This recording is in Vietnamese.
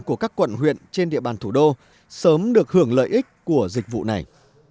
của các quận huyện trên địa bàn thủ đô sớm được hưởng lợi ích của dịch vụ này